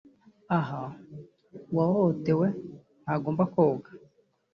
Aha uwahohotewe ntagomba koga